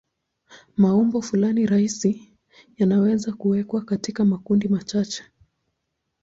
Maumbo fulani rahisi yanaweza kuwekwa katika makundi machache.